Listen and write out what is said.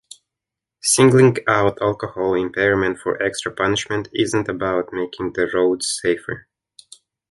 Singling out alcohol impairment for extra punishment isn't about making the roads safer.